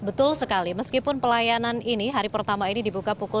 betul sekali meskipun pelayanan ini hari pertama ini dibuka pukul